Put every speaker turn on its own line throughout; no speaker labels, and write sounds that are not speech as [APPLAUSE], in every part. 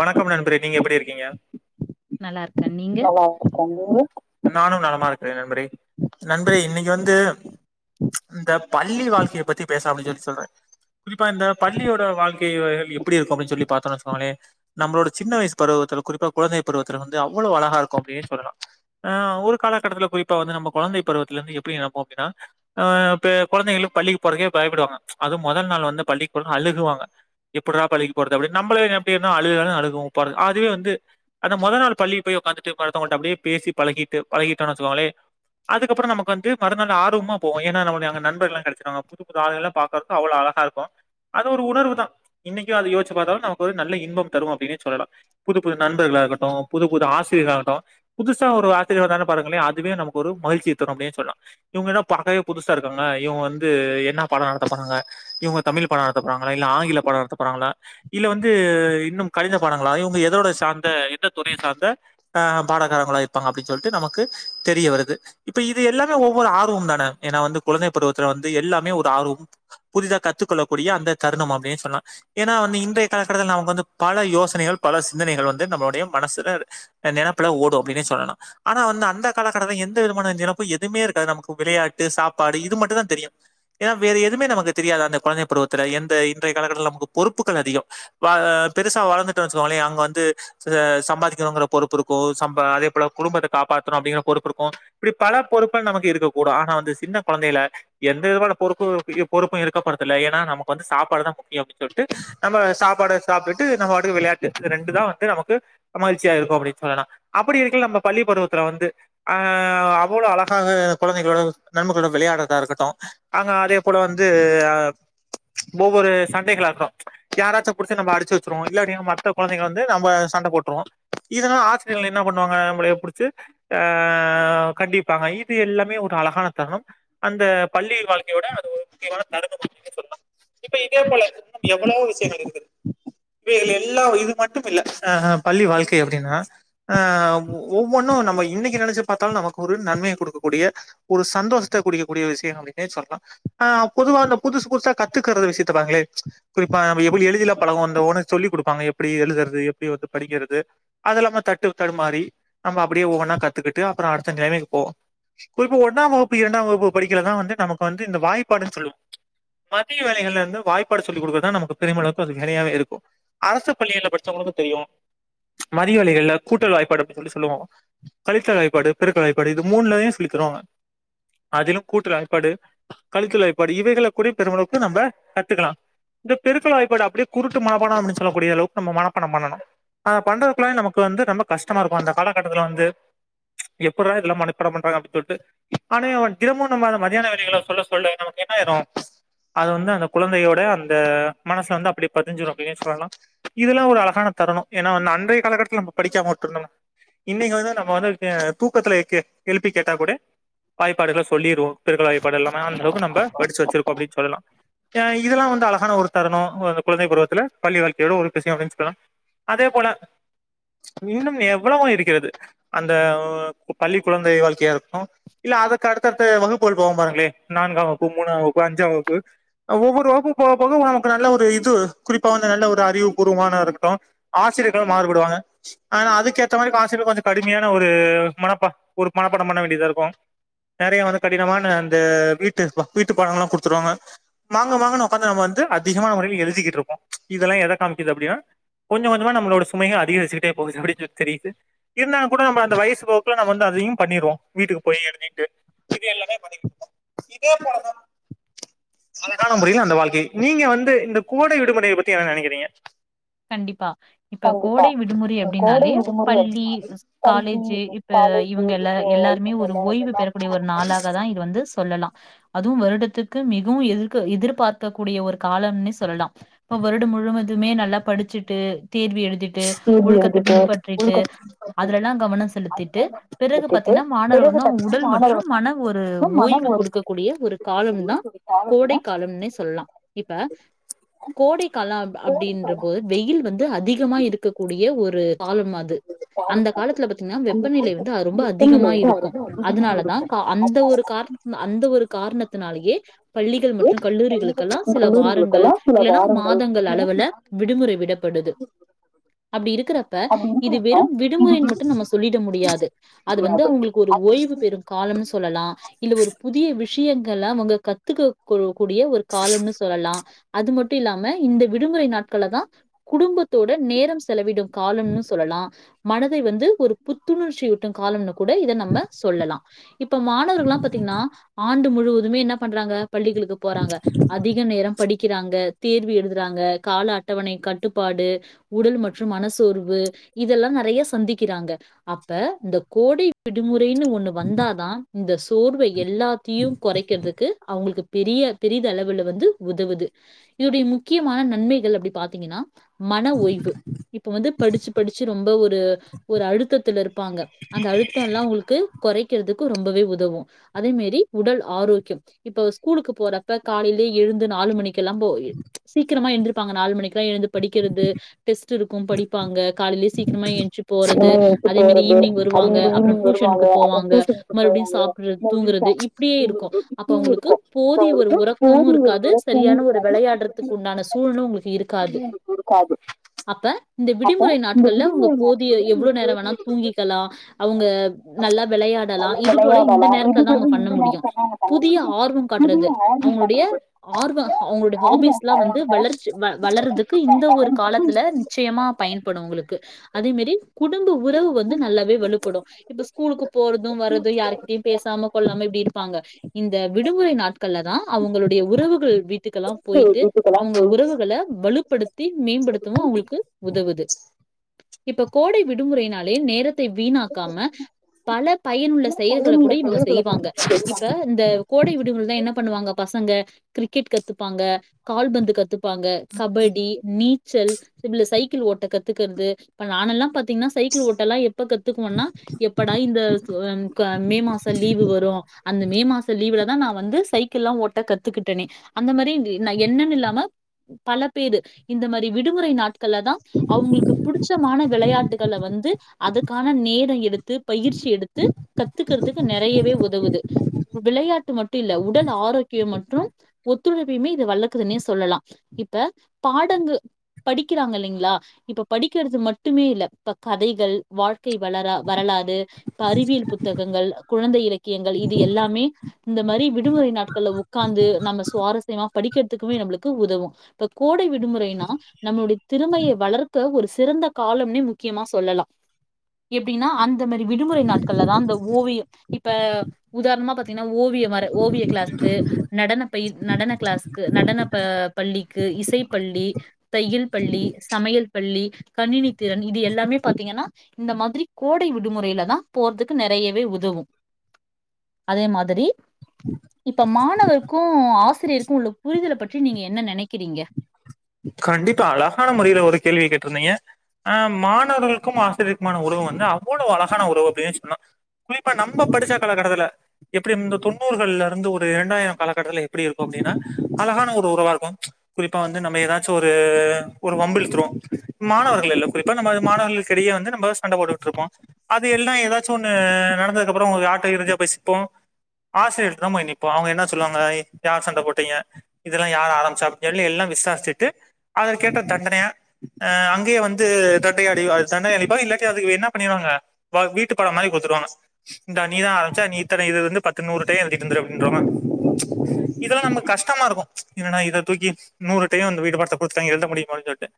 வணக்கம் நண்பரே நீங்க எப்டி இருக்கீங்க
நல்லா இருக்கே நீங்க
நல்லா இருக்கற நீங்க நானும் நலமா இருக்கிறே நண்பரே நண்பரே இன்னைக்கி வந்து இந்தப் பள்ளி வாழ்க்கைய பத்தி பேசலாம் அப்டின்னு சொல்லி சொல்றே குறிப்பா இந்த பள்ளியோட வாழ்க்கைகள் எப்டி இருக்கும் அப்டின்னு சொல்லி பாத்தோம்ன்னு வெச்சிக்கோங்களே நம்மளோட சின்ன வயசு பருவத்துல குறிப்பா குழந்தை பருவத்துல வந்து அவ்ளோ அழகா இருக்கும் அப்டின்னு சொல்லலா ஆ ஒரு காலக்கட்டத்துல குறிப்பா வந்து நம்ம குழந்தை பருவத்துல இருந்து எப்டி நினப்போ அப்டின்னா அ பே குழந்தைளுக்கு பள்ளிக்கு போறதுக்கே பயப்படுவாங்க அதுவும் மொதல் நாள் வந்து பள்ளிக்கு அழுகுவாங்க எப்புட்றா பள்ளிக்கு போறது அப்டின்னு நம்மலே அப்டி நா அழுகுனாலு அழுகுவோ போறதுக்கு அதுவே வந்து அந்த மொத நாள் பள்ளிக்கு போய் உட்காந்துட்டு அடுத்தவங்கள்ட்ட அப்டியே பேசி பழகிட்டு பழகிட்டோனு வச்சுக்கோங்களே அதுக்கப்பறம் நமக்கு வந்து மறுநாள் ஆர்வமா போவோம் ஏன்னா நமக்கு நண்பர்கள் லா கெடைச்சிடுவாங்க புதுப்புது ஆளுங்களும் பாக்குறதும் அவ்ளோஅழகா இருக்கும் அது ஒரு உணர்வுதா இன்னைக்கு அது யோசிச்சு பாத்தாலும் நமக்கு ஒரு இன்பம் தரும் அப்டின்னே சொல்லலா புது புது நண்பர்களாக இருக்கட்டும் புது புது ஆசிரியராகட்டும் புதுசா ஒரு ஆசிரியர் வந்தார்னா பாருங்களே அதுவே நமக்கு ஒரு மகிழ்ச்சிய தரும் அப்டின்னு சொல்லலா இவங்க என்னா பாக்கவே புதுசா இருக்காங்க இவங்க வந்து என்ன பாடம் நடத்த பாருங்க இவங்க தமிழ் பாடம் நடத்த போறாங்களா இல்ல ஆங்கில பாடம் நடத்தப்போறாங்களா இல்ல வந்து இன்னும் கணித பாடங்களா இவங்க எதோட சார்ந்த எந்த துறைய சார்ந்த பாடகாரங்களா இருப்பாங்க அப்டின்னு சொல்லிட்டு நமக்கு தெரிய வருது இப்ப இது எல்லாமே ஒவ்வொரு ஆர்வம் தான ஏன்னா வந்து குழந்தை பருவத்துல வந்து எல்லாமே ஒரு ஆர்வம் புதிதா கத்துக்கொள்ளக்க கூடிய அந்த தருணம் அப்டின்னு சொல்லலா ஏன்னா வந்து இன்றைய காலகட்டத்துல நமக்கு வந்து பல யோசனைகள் பல சிந்தனைகள் வந்து நம்மளுடைய மனசுல நினப்புல ஓடும் அப்டின்னுே சொல்லலா ஆனா வந்த அந்த காலகட்டத்துல எந் எந்த விதமான [UNINTELLIGIBLE] எதுமே இருக்கது நமக்கு விளையாட்டு சாப்பாடு இது மட்டுந்தா தெரியு ஏன்னா வேற எதுவுமே நமக்கு தெரியாது அந்த குழந்தை பருவத்துல எந்த இந்த இன்றைய காலகட்டத்துல நமக்கு பொறுப்புக்கள் அதிகம் வ பெருசா வளர்ந்துட்டோ வந்துச்சுக்கோங்களே அங்க வந்து ச சம்பாதிக்கணுங்கிற பொறுப்பு இருக்கு சம்ப அதே போல குடும்பத்த காப்பாத்தணு அப்பிடிங்கிற பொறுப்பு இருக்கு இப்படி பல பொறுப்புகள் நமக்கு இருக்க கூடு ஆனா வந்து சின்ன கொழந்தையில எந்த விதமான பொறுப்பு பொறுப்பு இருக்கப்படுதில்ல ஏன்னா நமக்கு வந்து சாப்பாடு தா முக்கிய அப்டின்னு சொல்லிட்டு நம்ம சாப்பாடு சாப்பிட்டு டு நம்ம பாட்டுக்கு விளையான்டு இது ரெண்டு தா வந்து நமக்கு மகிழ்ச்சியா இருக்கு அப்படின்னு சொல்லலா அப்படி இருக்கைல நம்ம பள்ளி பருவத்துல வந்து ஹ அவ்வள அழகாக குழந்தைகளோட நண்பர்களோட விளையாடறதா இருக்கட்டு அங்க அதே போல வந்து ஒவ்வொரு சண்டைகளா இருக்கட்டு யாராச்சு புடிச்சி நம்பல அடிச்சி வச்சிரு இல்ல அப்டி மத்த குழந்தைகள வந்து நம்ம சண்டை போட்ருவோ இதனால ஆசிரியர்கள் என்ன பண்ணுவாங்க நம்மளய புடிச்சு ஆஹ் கண்டிப்பாங்க இது எல்லாமே ஒரு அழகான தருணம் அந்த பள்ளி வாழ்க்கையோட அது ஒரு முக்கியமான தருணம் அப்புடினே சொல்லலா இப்ப இதே போல எவ்வளோ விஷயங்கள் இருக்குது இப்ப இதுல எல்லா இது மட்டு இல்ல அஹ பள்ளி வாழ்க்கை அப்படின்னா ஆ ஒவ்வொன்னு நம்ம இன்னைக்கு நெனைச்சு பாத்தாலு நமக்கு ஒரு நன்மையை குடுக்கக்கூடிய ஒரு சந்தோஷத்த குடிக்கக்கூடிய விஷயம் அப்பிடின்னே சொல்லலா ஆஹ் பொதுவா அந்த புதுசு புதுசா கத்துக்கறது விஷயத்த பாருங்களே குறிப்பா நம்ம எப்படி எழுதிலா பழகுவோ அந்த உன சொல்லி குடுப்பாங்க எப்படி எழுதுறது எப்பிடி வந்து படிக்கறது அது இல்லாம தட்டு தடுமாறி நம்ம அப்பிடியே ஒவ்வொன்னா கத்துக்கிட்டு அப்புற அடுத்த நெலமைக்கு போவோ குறிப்பா ஒன்னாம் வகுப்பு இரண்டாம் வகுப்பு படிக்கைலதா வந்து நமக்கு வந்து இந்த வாய்ப்பாடுன்னு சொல்லுவோ மதிய வேலைகள்ல இருந்து வாய்ப்பாடு சொல்லிக் குடுக்கறதுதா நமக்கு பெரியமளவுக்கு அது வேலையாவே இருக்கு அரசு பள்ளிகள படிச்சவங்களுக்கு தெரியு மதிய வேலைகள்ல கூட்டல் வாய்ப்பாடு அப்படின்னு சொல்லி சொல்லுவோ கழித்தல் வாய்ப்பாடு பெருக்கல் வாய்ப்பாடு இது மூன்லையு சொல்லி தருவாங்க அதிலும் கூட்டல் வாய்ப்பாடு கழித்தல் வாய்ப்பாடு இவைகளை கூட பெருமளவுக்கு நம்ம கத்துக்கலா இந்த பெருக்கல் வாய்ப்பாடு அப்படியே குருட்டு மனப்பாடம் சொல்லக்கூடிய அளவுக்கு நம்ம மனப்பாடம் பண்ணணு அத பண்றதுக்குல்லா நமக்கு வந்து ரொம்ப கஷ்டமா இருக்கு அந்த காலகட்டத்துல வந்து எப்புட்றா இதெல்லா மனப்பாடம் பண்றாங்க அப்படின்னு சொல்ட்டு ஆனா தினமும் நம்ம அத மத்யான வேலைகள் ல சொல்ல சொல்ல நமக்கு என்ன ஆயிரு அது வந்து அந்த குழந்தையோட அந்த மனசுல வந்து அப்படியே பதிஞ்சிடு அப்படின்னே சொல்லலா இதெல்லா ஒரு அழகான தருணம் ஏன்னா வ அன்றைய காலகட்டத்துல நம்ம படிக்காம உட்ருந்தம்னா இன்னைக்கு வந்து நம்ம வந்து தூக்கத்துல எக் எழுப்பி கேட்டா கூட வாய்ப்பாடுகள் சொல்லிருவோ பெருக்கல் வாய்ப்பாடு எல்லாமே அந்த அளவுக்கு நம்ப படிச்சு வச்சிருக்கோ அப்படினு அதெல்லா இதெல்லா வந்து அழகான ஒரு தருண குழந்தை பருவத்துல பள்ளி வாழ் ஏதோ ஒரு [UNINTELLIGIBLE] என் ஃபிரண்ட்ஸ்க் எல்லா அதேபோல இன்னும் எவ்வளவோ இருக்கிறது அந்த பள்ளி குழந்தை வாழ்க்கையாகட்டு இல்ல அதுக்கு அடுத்தடுத்த வகுப்புகள் போகும் பாருங்களே நான்காம் வகுப்பு மூனாம் வகுப்பு அஞ்சாம் வகுப்பு ஒவ்வொரு வகுப்பு போகப்போக நமக்கு நல்ல ஒரு இது குறிப்பா அந்த ஒரு நல்ல அறிவு பூர்வமானதா இருக்கட்டு ஆசிரியர்களு மாறுபடுவாங்க ஆனா அதுக்கேத்த மாரி ஆசிரியர்கள் கொஞ்ச கடுமையான ஒரு மனப்பா ஒரு மனப்பாடம் பண்ண வேண்டியதா இருக்கு நறைய வந்து கடினமான அந்த வீட்டு வீட்டு பாடம் எல்லா குடுத்துருவாங்க மாங்கு மாங்குன்னு உக்காந்து நம்ம வந்து அதிகமான முறையில எழுதிகிட்டு இருப்போ இதெல்லா எத காமிக்குது அப்பிடின்னா கொஞ்ச கொஞ்சமா நம்மளோட சுமைகள் அதிகரிச்சிட்டே போகுது அப்பிடின் சொல்லிட்டு தெரியுது இருந்தாலுங் கூட நம்ம அந்த வயசு போக்குல நம்ம வந்து அதையு பண்ணிருவோ வீட்டுக்கு போய் எழுதிட்டு இது எல்லாமே பாத்தீங்கன்னா இதே போல தா அதனால முடியு அந்த வாழ்க்கை நீங்க வந்து இந்த கோடை விடுமுறைய பத்தி என்ன நெனைக்கறீங்க
கண்டிப்பா இப்ப கோடை விடுமுறை
இந்த கோடை
அப்படின்னாலே
விடுமுறை
பள்ளி
அப்டின்னாலே பள்ளி
காலேஜு இப்ப
காலேஜ்
இவங்க எல்ல
இப்ப
எல்லாருமே ஒரு
இவங்கல்ல
ஓய்வு பெறக்கூடிய
எல்லாருமே
ஒரு நாளாக தா இது வந்து சொல்லலா அதுவு வருட காலத்துக்கு மிகவு எது எதிர்பார்க்க கூடிய ஒரு காலம்னே சொல்லலா இப்ப வருட முழுவதுமே நல்லா படிச்சிட்டு தேர்வு எழுதிட்டு
தேர்வு
ஒழுக்கத்தை
எழுதிட்டு
பின்பற்றிட்டு
ஒழுக்கத்துக்கு
அதுல எல்லா கவன செலுத்திட்டு
அதெல்லாம்
பிறகு
எடுத்துட்டு
பாத்தீங்னா மாணவர்
பிறகு
வந்து அவுங்க
பாத்தீங்கன்னா
உடல் மற்றும்
மாணவர்கள்
மன ஒரு
மனம்
ஓய்வு
ஒரு
குடுக்க கூடிய ஒரு காலம்
இருக்கக்கூடிய
தா
ஒரு
கோடை
காலம்னா
காலம்னே சொல்லலா இப்ப கோடை கால
கோடை
அப்படின்ற
காலம்
வெயில் வந்து அதிகமா இருக்கக்கூடிய ஒரு கால்ம் அது, அந்த
காலம் அது
காலத்துல பாத்தீங்கன்னா
அந்த
வெப்பநிலை
காலத்துல
வந்து ரொம்ப
வெப்பநிலை
அதிகமா
வந்து அது
இருக்கு
வந்து அதிகமா
அதனாலதா
இருக்கும்
அந்த ஒரு
அதனாலதான்
காரண அந்த ஒரு காரணத் அதுனாலயே பள்ளிகள்
வந்து
மற்றும்
பள்ளிகள்
கல்லூரிகளுக்கெல்லா
மற்றும்
சில வாரங்கள்
கல்லூரிகளுக்கெல்லாம் சில
இல்லனா
வாரங்கள்
மாதங்கள் அளவுல
இல்லைன்னா
விடுமுறை படுது. அப்டி இருக் கிறப்ப
அப்படி
இது
இருக்கிறப்ப
வெறும்
இது
விடுமுறைன்னு மட்டு நம்ம சொல்லிட முடியாது. அது வந்து
முடியாது
அவுங்களுக்கு ஒரு
அவங்க
ஓய்வு பெறு காலம்னு சொல்லலா இல்ல ஒரு புதிய விஷ்யங்கள் எல்லா அவுங்க கத்துக்க [UNINTELLIGIBLE] கூடிய ஒரு காலம்னு சொல்லலா, அது மட்டும இல்லாம இந்த விடுமுறை நாட் களை தா குடும்பத்தோட நேரம் செலவிடும் காலம்ன்னு சொல்லலா மனதை வந்து ஒரு புத்துணர்ச்சியூட்டும் காலம்னு கூட இத நம்ம சொல்லலா [INAUDIBLE] இப்ப மாணவர்கள்லா பாத்தீங்ன்னா ஆண்டு முழு வதுமே இன்னா பண்றாங்க பள்ளிகளுக்கு போறாங்க, அதிக நேரம் படிக்கிறாங்க தேர்வு எழுதுறாங்க, காலா அ ட்டவணை கட்டுப்பாடு, உடல் மற்றும் மனசோர்வு இதெல்லாம நெறைய சந்திக்கிறாங்க, அப்ப இந்த கோடை விடுமுறை அப்டீனு ஒண்ணு வந்தாதா- இந்த சோர்வை எல்லாத்தியும் கொறைக்கற்துக்கு அவுங்ளுக்கு பெரிய பெரிதளவுல வந்து உதவுது, இதுடைய முக்கியமான நன்மைகள் அப்டி பாத்தீங்கின்னா மன ஓய்வு, இப்ப வந்து படிச்சு படிச்சு ரொம்ப ஒரு ஒரு அழுத்தத்துல இருப்பாங்க, அந்த அழுத்தோலா உங்களுக்கு கொறை கிறதுக்கு ரொம்பவே உதவு அதேமேரி உடல் ஆரோக்யம், இப்ப ஸ்கூலுக்கு போறப்ப காலையில எழுந்து நாலு மணிக்கு [UNINTELLIGIBLE] க்கிரமா எந்திரிப்பாங்க நாலு மணிக் கே எழுந்து படிக்கிறது டெஸ்ட் இருக்கும் படிப்பாங்க, காலைலே சீ க்கிரமா ஏஞ்சி போறது,
எந்துச்சு
அதே மேரி
போறது
ஈவினிங்
அதே
வருவாங்க,
மாரி
அப்றம்
ஈவினிங் வருவாங்க
டூஷனுக்கு
அப்புறம்
போவாங்க
டியூஷனுக்கு
மறுடியு
போவாங்க
சாப்றது தூங்குறது இப்படியே இருக்கு
தூங்குறது
அப்போ
இப்படியே
அவுங்களுக்கு
இருக்கும் சோ
போதிய ஒரு
அவங்களுக்கு
உறக்கமு
போதிய ஒரு
இருக்காது
உறக்கமும்
செரியான ஒரு
இருக்காது
விளையாடுறதுக் உண்டான சூழலு அவ்ங்களுக் இருக்
[UNINTELLIGIBLE]
இந்த
அப்போ
விடுமுறை
இந்த
நாட்கள்ல
விடுமுறை நாட்கள்ல
[UNINTELLIGIBLE]
இந்த
எவ்ளோ நேர வேணா
போதிய
தூங்கிக்கலா அவுங்க ம் நல்லா
அளவுக்கு
வெளையாடலா
அவங்க நல்லா
இது போல இந்த
விளையாடலாம் இது
நேரத்துல தா
கூட
அவங்க பண்ண
இந்த
முடியு
நேரத்துல தான் அவங்க பண்ண
புதிய
முடியும்
ஆர்வம்
புதிய
காட்றது
ஆர்வம்
அவுங்களுடைய
காட்டுறது அவங்க
ஆர்வ அவுங்ளுடைய ஹாபீஸ்
ஆர்வம்
ல்லா வந்து
அவங்களோட
வளர்ச்சி வ வளர்ரதுக்கு இந்த ஒரு
வீட்டுக்கெல்லாம்
காலத்துல நிச்சயமா பயன்படு அவுங்குளுக்கு அதே மேரி குடும்ப உறவு வந்து நல்லாவே வலுப்படு இப்ப ஸ்கூலுக்கு போறது வர்ரது யாருகிட்டயு பேசாம கொள்ளாம இப்டி இருப்பாங்க இந்த விடுமுறை நாட்கள்ல தா அவுங்களுடைய உறவுகள் வி ட்டுக்கெல்லா போயிட்டு அவுங்க
போயிட்டு
உறவுகள வலுப்படுத்தி மேம்படுத்தவு அவுங்ளுக்கு உதவுது இப்ப கோடை விடுமுறையினாலே நேர த வீணாக்காம பல பயனுள்ள செயல்கள கூட
பொழுதுல
இவங்க செய்வாங்க
செய்யறது
இப்ப இந்த கோடை விடுமுறைல தா என்ன பண்ணுவாங்க பச் சங்க கிரிக்கெட் கத்துப்பாங்க கால்பந்து கத்துப்பாங்க கபடி நீச்சல் [UNINTELLIGIBLE] சைக்கிள் ஓட்ட கத்துக்குறது இப்ப நானெல்லா பாத்தீங்கன்னா சைக்கிள் ஓட்டலா எ ப்ப கத்துக்குவோனா எப்படா இந்த சொ அம் க மே மாச லீவு வரோ அந்த மே மாச லீவுல தா நா வந்து சைக்கிள் எல்லா ஓட்ட கத்துக்கிட்டேனே அந்த மாரி ன் நா என்னன்னு இல்லாம பல பேரு இந்த மாரி விடுமுறை நாட் கள்லதா அவங்களுக்கு புடிச்சமான வெளையாட்டுகள வந்து அதுக்கான நேர எடுத்து பயிற்ச் சி எடுத்து கத்துக்குறதுக்கு நெறையவே உதவுது வெளையாட் டு மட்டு இல்ல உடல் ஆரோக்கியொ மற்றும் ஒத்துழைப்பையுமே இது வளக்குதுன்னே சொல்லலா இப் ப பாடங்கள் படிக்கிறாங்க இல்லைங்களா இப்ப படிக்கிறது மட்டுமே இல்ல இப்ப கதைகள் வாழ்க்கை வலரா வரலாறு இப்ப அறிவியல் புத்தகங்கள் குழந்தை இலக்கியங்கள் இது எல்லாமே இந்த மாரி விடுமுறை நாட்கள்ல உக்காந்து நம்ம சுவாரஸ்யமா படிக்கிறதுக்குமே நம்ளுக்கு உதவு இப்ப கோடை விடுமுறைனா நம்மளுடைய திறமையை வளர்க்க ஒரு சிறந்த காலம்னே முக்கியமா சொல்லலா எப்டின்னா அந்த மாரி விடுமுறை நாட்கள்ல தா அந்த ஓவிய இப்ப உதாரணமா பாத்தீங்கன்னா ஓவிய வர ஓவிய கிளாஸ்க்கு நடன பயி நடன கிளாஸ்க்கு நடன பா பள்ளிக் கு இசைப்பள்ளி தையல் பள்ளி சமையல் பள்ளி கணினி திறன் இது எல்லாமே பாத்தீங்கன்னா இந்த மாதிரி கோடை விடுமுறையிலதா போறதுக்கு நெறையவே உதவு அதே மாதிரி இப்ப மாணவர்க்கூ ஆசிரியருக்கு உள்ள புரிதல பற்றி நீங்க என்ன நெனக் கிறீங்க
கண்டிப்பா அழகான முறையில ஒரு கேள்வி கேட்ருந்தீங்க ஆஹ் மாணவர்களுக்கும் ஆசிரியருக்குமான உறவு வந்து அவ்வளோ அழகான உறவு அப்டின்னு சொல்லா குறிப்பா நம்ம படிச்ச காலகட்டத்துல எப்டி இந்த தொண்ணூறுகள்ல இருந்து ஒ ரு ரெண்டாயிரொ காலகட்டத்துல எப்டி இருக் கு அப்டின்னா அழகான ஒரு உறவா இருக்கு குறிப்பா வந்து நம்ம ஏதா சு ஒரூ ஒரு வம்பிழுத்துரோ மாணவர்கள் எல்லா குறிப்பா மாணவர்களுக்கு இடையே வந்து நம்ப சண்ட போட்டுட்டு இருப்போ அது எல்லா ஏதாச்சு ஒன்னு நடந்ததுக்கப்புறோ உங்க யார்ட்ட இறுதியா பேசிப்போ ஆசிரியர் கிட்டதா போய் நிப்போ அவங்க என்ன சொல்லுவாங்க யார் சண்ட போட்டீங்க இதெல்லா யார் ஆரம்ச்சா எல்லு எல்லா விசாரிச்சி டு அதுக்கேத்த தண்டனையா ஆ அங்கயே வந்து தண்ட அடி தண்ட அடிப்பாங்க இல்லாட்டி அது என்ன பண்ணிடுவாங்க பா வீட்டு பாடோ மாதிரி கொடுத்துடுவாங்க இந்தா நீ தா ஆரம்பிச்ச நீ இத்தன எழுதுன்னு பத்து நூறு டை எழுதிட்டு வந்துரு அப்டின்ட்றுவாங்க இதெல்லா நமக்கு கஷ்டமா இருக்கு என்ன இத தூக்கி நூறு டைம் இந்த இந்த பாடத்த குடுத்துட்டாங்க எழுத முடியுமானு சொல்ட்டு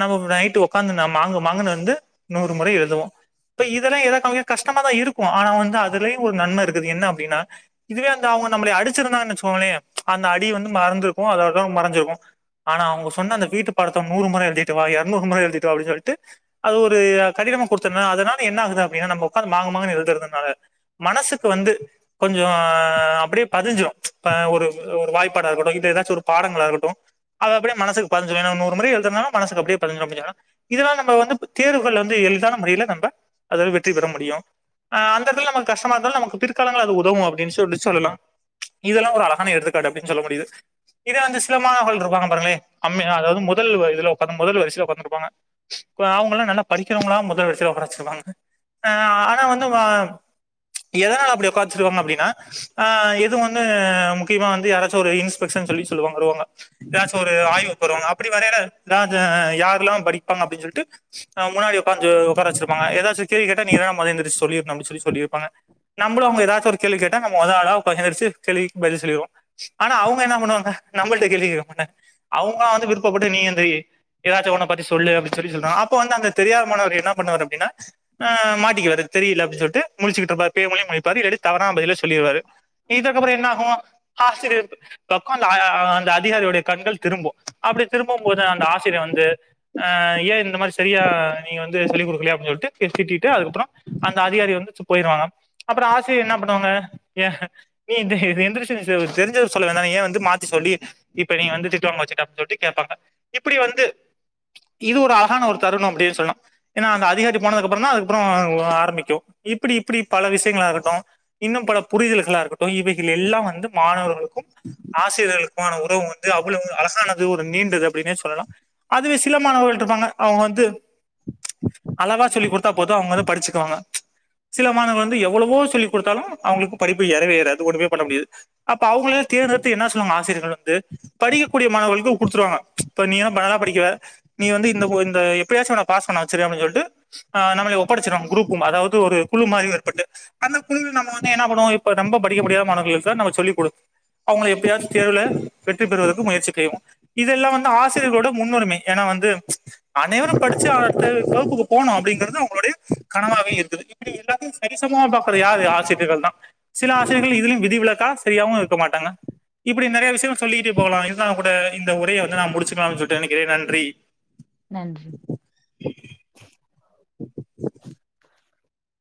நம்ம நைட்டு ஒக்காந்து நா மாங்கு மாங்குனு வந்து நூறு முறை எழுதுவோ இப்ப இதுலா எனக் கவங்க கஷ்டமாதா இருக்கு ஆன வந்து அதுலயு ஒரு நன்ம இருக்குது என்ன அப்டின்னா இதுவே அந்த அவங்க நம்மள அடிச்சிருந்தாங்கன்னு வெச்சுக்கோங்கள்ல அந்த அடி வந்து மறந்திருக்கு அதோட மறஞ்சிருக்கு ஆனா அவங்க சொன்ன அந்த வீட்டு பாடத்த நூறு முறை எழுதிட்டு வா எருநூறு முறை எழுதிட்டு வா அப்டின்னு சொல்ட்டு அது ஒரு கடினமா கொடுத்தனால அதனால என்ன ஆகுது அப்டின்னா நம்ம உக்காந்து மாங்கு மாங்கு எழுதுறதுனால மனசுக்கு வந்து கொஞ்சோ அப்டியே பதிஞ்சிடு இப்ப ஒரு ஒரு வாய்ப்பாடா இருக்கட்டு இது ஏதாச்சு ஒரு பாடங்களா இருக்கட்டு அது அப்டியே மனசுக்கு பதிஞ்சிறு எனா நம்ம நூறு முறை எழுதனால மனசுக்கு அப்டியே பதிஞ்சிறு [UNINTELLIGIBLE] இதெல்லா நம்ம வந்து தேர்வுகள்ல வந்து எளிதான முறைல நம்ப அத வெற்றி பெற முடியு அஹ் அந்த எடத்துல நமக்கு கஷ்டமா இருந்தாலு நமக்கு பிற்காலங்கள்ல அது உதவு அப்டின்னு சொல்லி சொல்லலா இதெல்லா ஒரு அழகான எடுத்துக்காட்டு அப்டின்னு சொல்ல முடியுது இதே வந்து சில மாணவர்கள் இருப்பாங்கள் பாருங்க்லே கம்மியா அதாவது முதல்வ இதுல பண்ணும் முதல்வரிசைல உக்காந்து இருப்பாங்க இப்பா அவங்கல்லா நல்லா படிக்கிறவங்கலா முதல் வரிசைல உக்காற வச்சிருப்பாங்க ஆ ஆனா வந்து வா எதனால அப்டி உக்கார வச்சிருக்காங்க அப்டின்னா ஆ எது ஒன்னு முக்கியமா வந்து யாராச்சு ஒரு இன்ஸ்பெக்ஷன் சொல்லி சொல்வாங்களோவுங்க ஏதாச்சு ஒரு ஆய்வுக்கு வருவாங்க அப்டி வரையில தாது யாரலா படிப்பாங்க அப்டின்னு சொல்ட்டு முன்னாடி உக்காஞ்சு உக்காரா வச்சிருப்பாங்க ஏதாச்சு கேள்வி கேட்டா நீதா மொத எந்திரிச்சு பதில் சொல்லிறணு அப்டின்னு சொல்லி சொல்லிருப்பாங்க நம்மளு அவங்க ஏதாச்சு ஒரு கேள்வி கேட்டா நம்ம மொத ஆளா எந்திரச்சி கேள்விக்கு பதில் சொல்லிடுவோ ஆனா அவங்க என்ன பண்ணுவாங்க நம்பள்ட்டாயே கேள்விக் கேக்கமா மாட்டாங் அவங்களா வந்து விருப்பட்டு நீ எந்திரி ஏதாச்சு ஒன்ன பத்தி சொல்லு அப்டிச் சரி சொல்றா அப்போ வந்து அந்த தெரியா தவரு என்ன பண்ணுவாரு அப்டினா ஆ மாட்டிக்குவாரு தெரியல அப்டினு சொல்லிட்டு முழிச்சிருப்பாரு பேய் முழி முழிப்பார் இல்லாஞ்டி தவறான பதில சொல்லிடுவாரு இதுக்கப்புறோ என்னாகூ ஆசிரியர் பல் பக்கோ ஆ ஆ அந்த அதிகாரியுடைய கண்கள் திரும்பு அப்டி திரும்பும் போது அந்த ஆசிரியர் வந்து ஆ ஏ இந்த மாதிரி சரியா நீ வந்து சொல்லி குடுக்கலையா அப்டினு சொல்லிட்டு திட்டிட்டு அதுக்கபுறோ அந்த அதிகாரி வந்துச்சு போயிருவாங்க அப்புறோ ஆசிரியர் என்ன பண்ணுவாங்க எஹ் நீ என்ன இது எந்திரிச்சி நீ சொ தெரிஞ்சத சொல்ல வேண்டிதானே ஏ வந்து மாத்தி சொல்லி இப் ப நீ வந்து திட்டு வாங்க வச்சிட்ட அப்டினு சொல்ட்டு கேப்பாங்க இப்டி வந்து இது ஒரு அழகான ஒரு தருணோ அப்டின்னு சொல்லலா ஏன்னா அந்த அதிகாரி போனதுக்கப்புறோ தா அதுக்கப்புறோ உ ஆ ஆரம்பிக்கு இப்டி இப்டி பல விஷயங்கள் ஆகட்டு இன்னு பல புரிதல்களா இருக்கட்டு இவைகள் எல்லா வந்து மாணவர்களுக்கு ஆசிரியர்களுக்குமான உறவு வந் து அவ்வளவு அழகானது ஒரு நீண்டது அப்படின்னே சொல்லலா அதுவே சில மாணவர்கள் இருப்பாங்க அவங்க வந்து அழகா சொல்லிக் கொடுத்தா போது அவங்க வந்து படிச்சுக்குவாங்க சில மாணவர்கள் வந்து எவ்வளவோ சொல்லிக் கொடுத்தாலு அவங்களுக்கு படிப்பு ஏறவே ஏறாது ஒண்ணுமே பண்ண முடியாது அப்ப அவங்களயோ தேர்ந்தெடுத்து என்ன சொல்லுவாங்க ஆசிரியர்கள் வந்து படிக்கக்கூடிய மாணவர்களுக்கு கொடுத்துருவாங்க இப்ப நீயெல்லா நல்லாதா படிக்கற நீ வந்து இந்த உ இந்த எப்படியாச்சு பாஸ் பண்ண வச்சிருவே அப்டின்னு சொல்ட்டு ஆ நம்மள ஒப்படச்சிறுவாங்க குரூப்பு அதாவது ஒரு குழு மாதிரியு ஏற்பட்டு அந்த குழுவுல நம்ம வந்து என்னா பண்ணுவோ இப்ப ரொம்ப படிக்க முடியாம மாணவர்களுக்கு நம்ம சொல்லி குடுத் அவங்கள எப்டியாச்சு தேர்வுல பெ ற்றி பெறுவதற்கு முயற்சி பெய்வோ இதெல்லா வந்து ஆசிரியர்களோட முன்னுரிமை ஏன்னா வந்து அனைவரு படிச்சி [UNINTELLIGIBLE] வகுப்புக்கு போணோ அப்டிங்கறது அவங்களோட கனவாவே இருந்தது இப்டி எல்லாத்தையு சரி சமமா பாக்கற யாரு ஆசிரியர்கள் தா சில ஆசிரியர்கள் இதுலயு விதிவிளக்கா சரியாவு இருக்க மாட்டங்க இப்டி நெறைய விஷயங்கள் சொல்லிட்டு போகலா இருந்தாலு கூட இந்த உரைய வந்து நா முடிச்சிக்கலானு சொல்லிட்டு நினைக்கிறே நன்றி
நன்றி [INAUDIBLE]